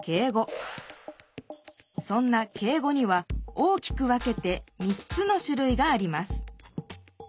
そんな敬語には大きく分けて３つの種類があります